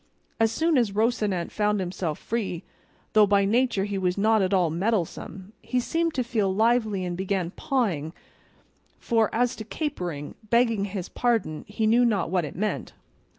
As soon as Rocinante found himself free, though by nature he was not at all mettlesome, he seemed to feel lively and began pawing for as to capering, begging his pardon, he knew not what it meant.